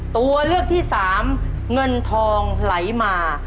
ตัวเลือกที่สามเงินทองไหลมา